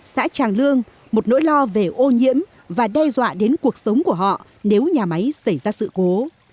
xã tràng lương một nỗi lo về ô nhiễm và đe dọa đến cuộc sống của họ nếu nhà máy xảy ra sự cố